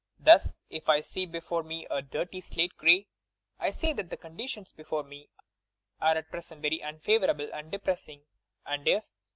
Thus if I see before me a dirty slate giey I say that the conditions before me are at present very unfaToorable and depresdng, and if.